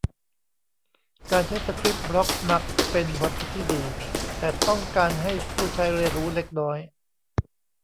การใช้สคริปต์บล็อคมักเป็นความคิดที่ดี แต่ต้องการให้ผู้ใช้เรียนรู้เล็กน้อย